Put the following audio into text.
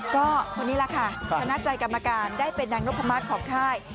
ก็คนนี้แหละค่ะชนะใจกรรมการได้เป็นนางนพมาศของค่าย